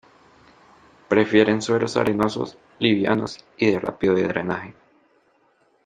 Prefieren suelos arenosos, livianos y de rápido drenaje.